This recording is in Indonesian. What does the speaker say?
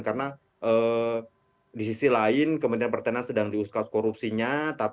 karena di sisi lain kepentingan pertenan sedang diuskas korupsinya